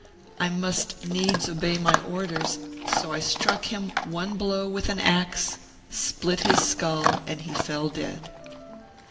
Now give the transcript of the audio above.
I must needs obey my orders, so I struck him one blow with an axe, split his skull, and he fell dead.